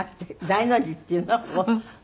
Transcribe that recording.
大の字っていうの？